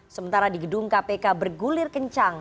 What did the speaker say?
sementara di gedung kpk bergulir kencang